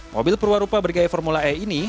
mobil perwarupa bergaya formula e ini